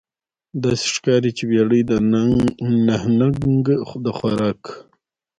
داسې ښکاري چې بیړۍ د نهنګ د خوراک